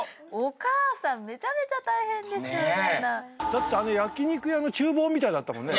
だって焼き肉屋の厨房みたいだったもんね。